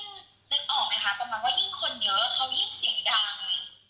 นึกออกไหมคะประมาณว่ายิ่งคนเยอะเขายิ่งเสียงดัง